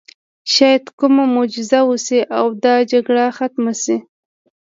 شاید کومه معجزه وشي او دا جګړه ختمه شي